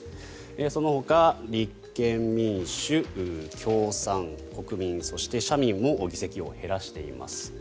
そのほか、立憲民主共産、国民、そして社民も議席を減らしています。